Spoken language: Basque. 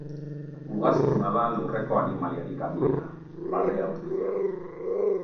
Ugaztuna da lurreko animaliarik handiena, balea urdina.